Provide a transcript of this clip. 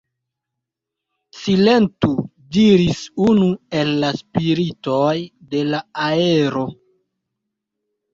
Silentu, diris unu el la spiritoj de la aero.